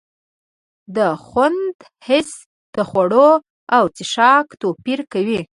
د خوند حس د خوړو او څښاک توپیر کوي.